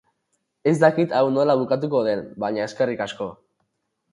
Ez dakit hau nola bukatuko den, baina eskerrik asko.